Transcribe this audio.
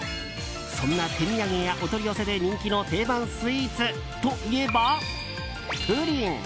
そんな手土産やお取り寄せで人気の定番スイーツといえばプリン。